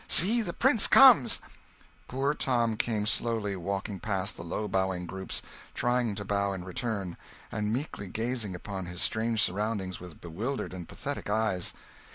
See, the prince comes!" Poor Tom came slowly walking past the low bowing groups, trying to bow in return, and meekly gazing upon his strange surroundings with bewildered and pathetic eyes.